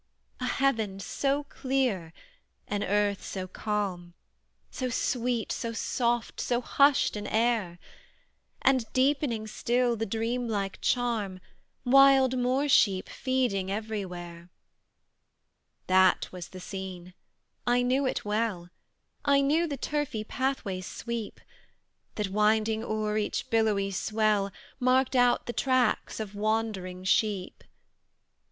A heaven so clear, an earth so calm, So sweet, so soft, so hushed an air; And, deepening still the dream like charm, Wild moor sheep feeding everywhere. THAT was the scene, I knew it well; I knew the turfy pathway's sweep, That, winding o'er each billowy swell, Marked out the tracks of wandering sheep.